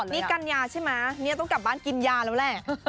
นี่กัญญาใช่ไหมเนี่ยต้องกลับบ้านกินยาแล้วแหละ